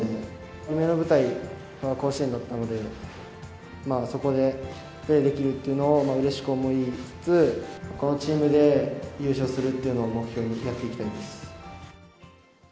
夢の舞台が甲子園だったので、まあ、そこでプレーできるっていうのをうれしく思いつつ、このチームで優勝するっていうのを目標に、やっていきたいです。